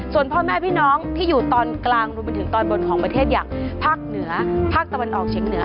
ส่วนพ่อแม่พี่น้องที่อยู่ตอนกลางรวมไปถึงตอนบนของประเทศอย่างภาคเหนือภาคตะวันออกเฉียงเหนือ